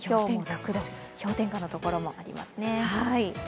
氷点下の所もありますね。